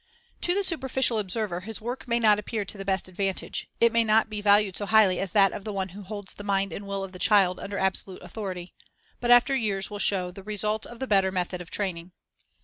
To the superficial observer his work may not appear to the best advantage ; it may not be valued so highly as that of the one who holds the mind and will of the child under absolute authority; but after years will show the result of the better method of training.